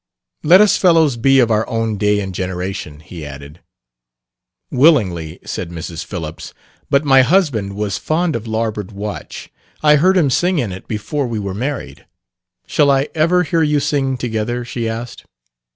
"Let us fellows be of our own day and generation," he added. "Willingly," said Mrs. Phillips. "But my husband was fond of 'Larboard Watch'; I heard him sing in it before we were married. Shall I ever hear you sing together?" she asked.